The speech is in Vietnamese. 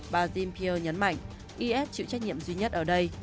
bà zimpier nhấn mạnh is chịu trách nhiệm duy nhất ở đây